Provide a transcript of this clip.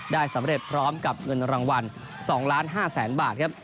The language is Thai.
ได้สำเร็จพร้อมกับเงินรางวัล๒๕๐๐๐๐บาทครับ